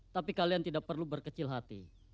tapi kalian tidak perlu berkecil hati